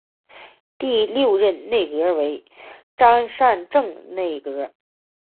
第六任内阁为张善政内阁。